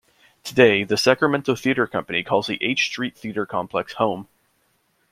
Today, the Sacramento Theater Company calls the H Street Theatre Complex home.